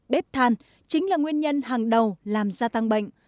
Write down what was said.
bếp than chính là nguyên nhân hàng đầu làm gia tăng bệnh